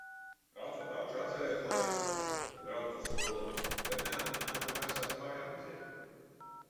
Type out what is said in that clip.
Braucot augšā, atcerējos laiku, kad braucu uz skolu, bet neatminētu vairs ar kājām iziet.